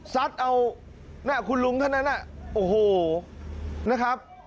ซัดเอาคุณลุงท่านนั้นโอ้โหนะครับ